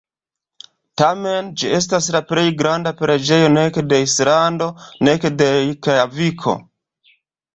Tamen, ĝi estas la plej granda preĝejo nek de Islando nek de Rejkjaviko.